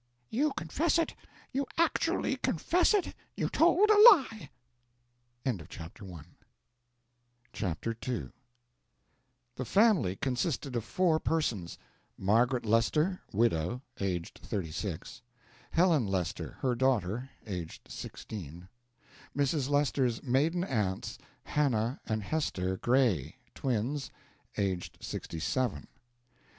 "You confess it you actually confess it you told a lie!" CHAPTER II The family consisted of four persons: Margaret Lester, widow, aged thirty six; Helen Lester, her daughter, aged sixteen; Mrs. Lester's maiden aunts, Hannah and Hester Gray, twins, aged sixty seven.